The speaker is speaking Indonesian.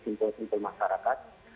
kami memiliki simpul simpul masyarakat